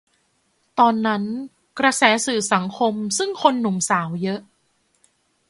ตอนนั้นกระแสสื่อสังคม ซึ่งคนหนุ่มสาวเยอะ